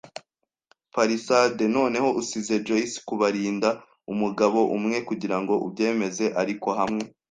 palisade. Noneho, usize Joyce kubarinda - umugabo umwe, kugirango ubyemeze, ariko hamwe